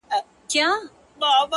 زما و فكر ته هـا سـتا د كور كوڅـه راځي.